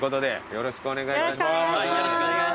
よろしくお願いします。